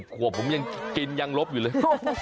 ขวบผมยังกินยังลบอยู่เลย